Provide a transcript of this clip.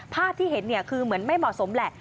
ภาพที่เห็นคือเหมือนไม่เหมาะสมแหละ